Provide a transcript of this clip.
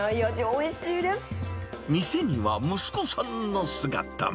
店には息子さんの姿も。